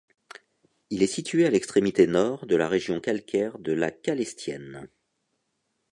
Il est situé à l'extrémité nord de la région calcaire de la Calestienne.